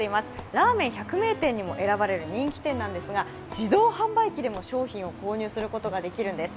ラーメン百名店にも選ばれる人気店なんですが自動販売機でも商品を購入することができるんです。